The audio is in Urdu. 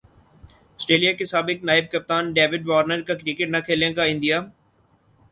اسٹریلیا کے سابق نائب کپتان ڈیوڈ وارنر کا کرکٹ نہ کھیلنے کا عندیہ